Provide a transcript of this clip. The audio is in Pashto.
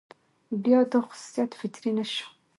بيا دا خصوصيت فطري نه شو،